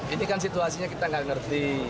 ini kan situasinya kita nggak ngerti